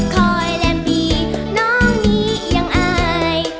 คอยแลมปีน้องนี้ยังอาย